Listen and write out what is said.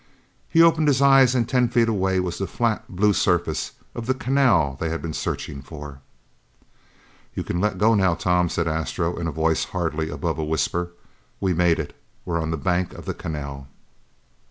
He opened his eyes and ten feet away was the flat blue surface of the canal they had been searching for. "You can let go now, Tom," said Astro in a voice hardly above a whisper. "We made it. We're on the bank of the canal."